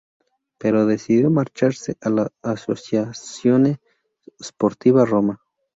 Pero decidió marcharse a la Associazione Sportiva Roma.